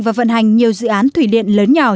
và vận hành nhiều dự án thủy điện lớn nhỏ